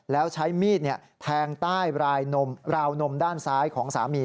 แล้วใช้มีดแทงใต้ราวนมด้านซ้ายของสามี